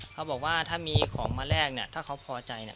เขาบอกว่าถ้ามีของมาแลกเนี่ยถ้าเขาพอใจเนี่ย